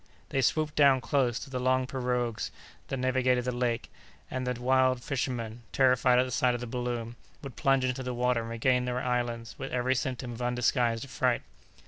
They swooped down close to the long pirogues that navigated the lake; and the wild fishermen, terrified at the sight of the balloon, would plunge into the water and regain their islands with every symptom of undisguised affright.